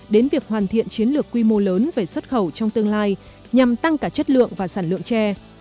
đến việc hoàn thiện chiến lược quy mô lớn về xuất khẩu trong tương lai nhằm tăng cả chất lượng và sản lượng tre